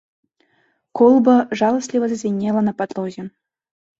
Колба жаласліва зазвінела на падлозе.